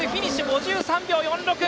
５３秒４６。